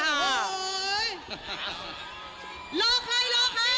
รอใคร